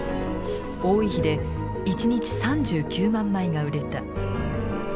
多い日で一日３９万枚が売れた。